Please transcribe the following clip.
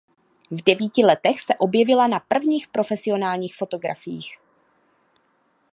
V devíti letech se objevila na prvních profesionálních fotografiích.